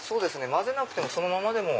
混ぜなくてもそのままでも。